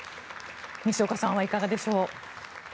西岡さんはいかがでしょう。